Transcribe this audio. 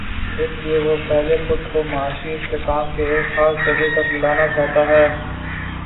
اس لیے وہ پہلے خود کو معاشی استحکام کے ایک خاص درجے تک لا نا چاہتا ہے۔